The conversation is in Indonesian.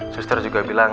suster juga bisa